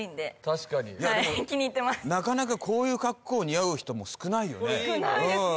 確かになかなかこういう格好似合う人も少ないよね少ないですね